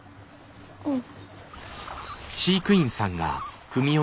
うん。